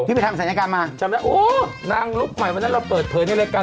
พี่ไปทำสัญญาการมาจำแล้วโอ๊ะนางลุกใหม่วันนั้นเราเปิดเพลินให้รายการ